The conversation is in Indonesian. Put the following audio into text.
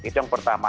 itu yang pertama